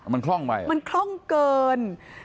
มันคล่องผิดปกติอ่ะค่ะมันคล่องเกิน